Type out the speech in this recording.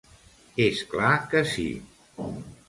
És clar que sí.